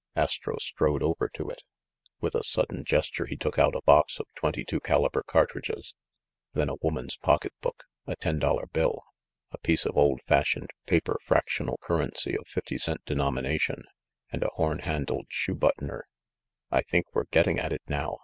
Astro strode over to it. With a sudden gesture he took out a box of twenty two caliber cartridges ; then a woman's pock etbook, a ten dollar bill, a piece of old fashioned paper fractional currency of fifty cent denomination, and a horn handled shoe buttoner. "I think we're getting at it now